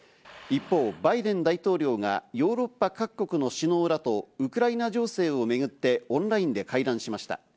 一方、バイデン大統領がヨーロッパ各国の首脳らとウクライナ情勢をめぐってオンラインで会談しました。